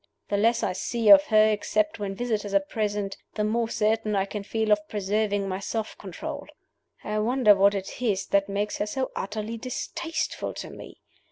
The less I see of her except when visitors are present the more certain I can feel of preserving my self control. "I wonder what it is that makes her so utterly distasteful to me?